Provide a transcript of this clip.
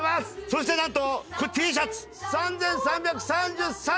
そして何とＴシャツ３，３３３円です。